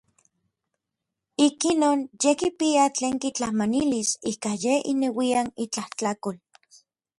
Ik inon yej kipia tlen kitlamanilis ikan yej ineuian itlajtlakol.